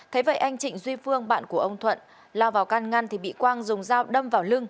thế vậy anh trịnh duy phương bạn của ông thuận lao vào can ngăn thì bị quang dùng dao đâm vào lưng